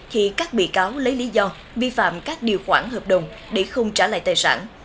thì các bị cáo lấy lý do vi phạm các điều khoản hợp đồng để không trả lại tài sản